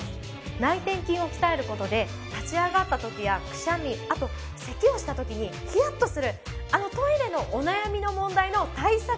内転筋を鍛える事で立ち上がった時やくしゃみあとせきをした時にヒヤッとするあのトイレのお悩みの問題の対策にもなるんです。